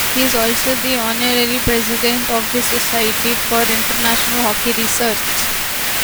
He is also the Honorary President of the Society for International Hockey Research.